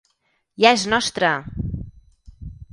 Ja és nostre!